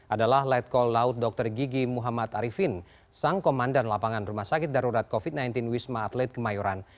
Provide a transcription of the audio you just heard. adalah letkol laut dr gigi muhammad arifin sang komandan lapangan rumah sakit darurat covid sembilan belas wisma atlet kemayoran